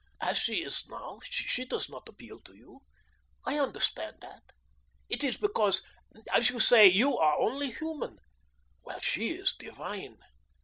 As she is now, she does not appeal to you. I understand that. It is because, as you say, you are only human, while she is divine.